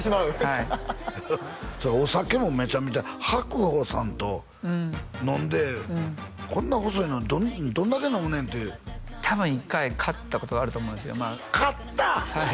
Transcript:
はいそうやお酒もめちゃめちゃ白鵬さんと飲んでこんな細いのにどんだけ飲むねんって多分１回勝ったことあると思いますよ勝った！？